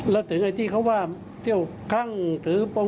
เราก็ถึงให้ที่เขาว่าเที่ยวกั้งหรือโปง